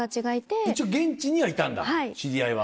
一応現地にはいたんだ知り合いは。